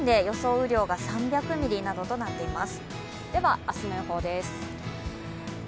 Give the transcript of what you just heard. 雨量が３００ミリなどとなっています。